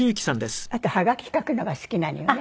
あとはがき書くのが好きなのよね。